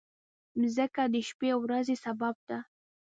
مځکه د شپې او ورځې سبب ده.